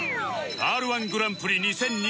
Ｒ−１ グランプリ２０２２王者